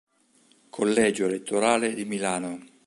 Collegio elettorale di Milano